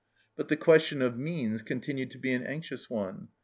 But the question of means continued to be an anxious one.